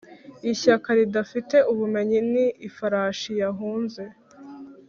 ishyaka ridafite ubumenyi ni ifarashi yahunze.